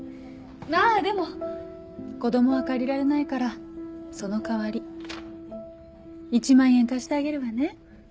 あでも子供は借りられないからその代わり１万円貸してあげるわね。